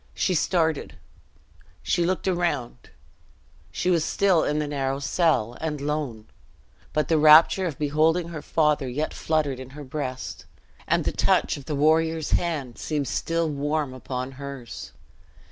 She started she looked around she was still in the narrow cell, and lone; but the rapture of beholding her father yet fluttered in her breast, and the touch of the warrior's hand seemed still warm upon hers.